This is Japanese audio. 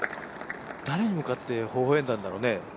誰に向かってほほえんだんだろうね？